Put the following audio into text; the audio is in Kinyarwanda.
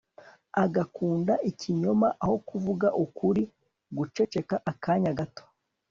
ugakunda ikinyoma aho kuvuga ukuri. (guceceka akanya gato